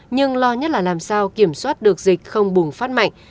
nhưng lo nhất là làm sao kiểm soát được dịch không bùng phát mạnh